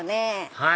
はい！